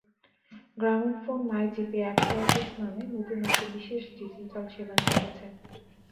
Grameenphone MyGP app service নামে নতুন একটি বিশেষ ডিজিটাল সেবা নিয়ে এসেছে।